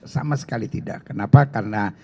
sama sekali tidak kenapa karena